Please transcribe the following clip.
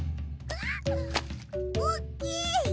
おっきい！